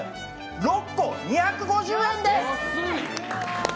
６個２５０円です！